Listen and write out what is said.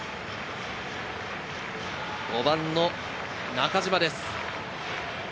５番の中島です。